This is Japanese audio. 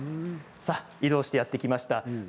移動してやってきました。